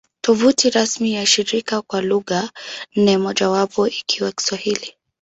Tovuti rasmi ya shirika kwa lugha nne, mojawapo ikiwa Kiswahili